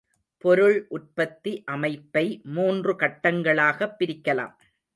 பொருள் உற்பத்தி அமைப்பை மூன்று கட்டங்களாகப் பிரிக்கலாம்.